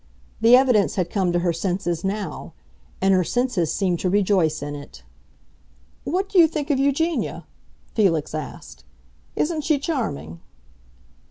The evidence had come to her senses now; and her senses seemed to rejoice in it. "What do you think of Eugenia?" Felix asked. "Isn't she charming?"